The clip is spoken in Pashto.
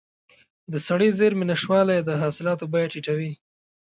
د سړې زېرمې نشتوالی د حاصلاتو بیه ټیټوي.